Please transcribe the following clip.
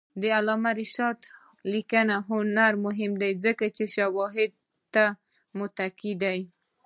د علامه رشاد لیکنی هنر مهم دی ځکه چې شواهدو ته متکي دی.